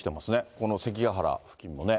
この関ヶ原付近もね。